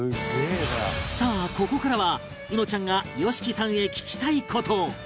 さあここからはうのちゃんが ＹＯＳＨＩＫＩ さんへ聞きたい事